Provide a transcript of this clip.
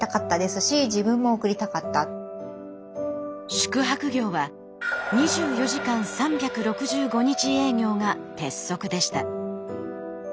宿泊業は２４時間３６５日営業が鉄則でした。